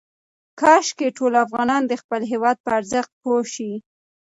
کاشکې ټول افغانان د خپل هېواد په ارزښت پوه شي.